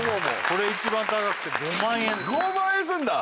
これ一番高くて５万円すんだ！